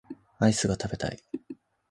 アイスが食べたい